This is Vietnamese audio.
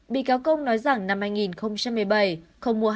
bị cáo công nói rằng năm hai nghìn một mươi bảy